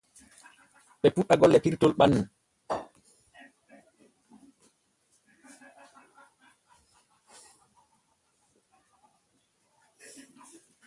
Ɓe puuɗɗa golle pirtol ɓannu.